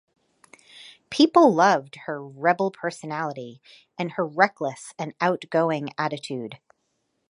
People loved her rebel personality and her reckless and outgoing attitude.